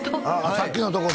さっきのとこの？